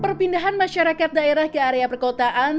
perpindahan masyarakat daerah ke area perkotaan